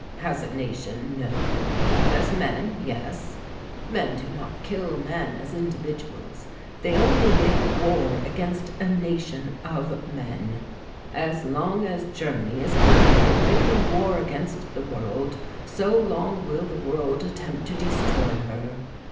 "As a nation, no, but as men, yes. Men do not kill men as individuals, they only make war against a nation of men. As long as Germany is capable of making war against the world so long will the world attempt to destroy her.